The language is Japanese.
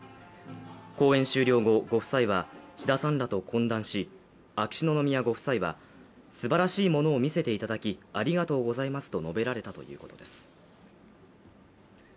公演終了後、ご夫妻は志田さんらと懇談し秋篠宮ご夫妻はすばらしいものを見せていただきありがとうございますと述べられたということです。